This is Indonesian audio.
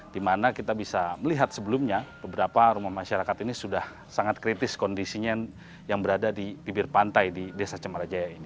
di mana kita bisa melihat sebelumnya beberapa rumah masyarakat ini sudah sangat kritis kondisinya yang berada di bibir pantai di desa cemarajaya ini